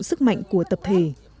sức mạnh của tập thể